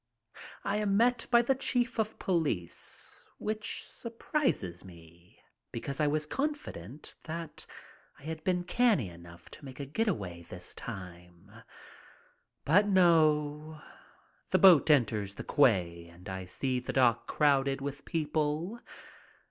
I am met by the chief of police, which surprised me, because I was confident that I had been canny enough to make a getaway this time. But no. The boat enters the quay and I see the dock crowded with people.